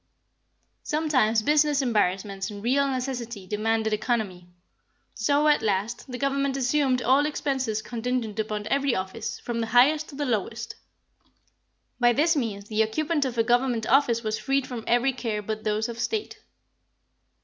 Sometimes business embarrassments and real necessity demanded economy; so, at last, the Government assumed all the expenses contingent upon every office, from the highest to the lowest. By this means the occupant of a Government office was freed from every care but those of state.